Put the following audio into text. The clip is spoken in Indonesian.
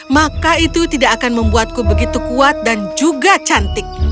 maka itu tidak akan membuatku begitu kuat dan juga cantik